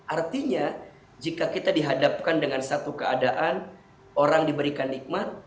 artinya jika kita dihadapkan dengan satu keadaan orang diberikan nikmat